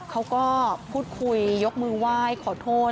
เขาก็พูดคุยยกมือไหว้ขอโทษ